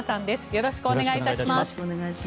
よろしくお願いします。